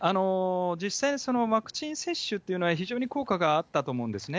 実際にワクチン接種っていうのは、非常に効果があったと思うんですね。